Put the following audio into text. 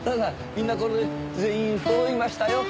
みんなこれで全員揃いましたよ。